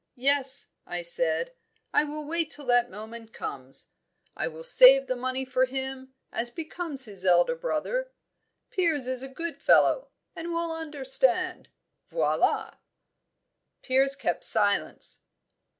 Yes I said I will wait till that moment comes; I will save the money for him, as becomes his elder brother. Piers is a good fellow, and will understand. Voila!" Piers kept silence.